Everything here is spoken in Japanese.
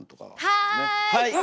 はい！